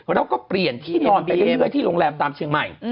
แล้วก็เปลี่ยนที่นอนไปเรื่อยที่โรงแรมตามเชียงใหม่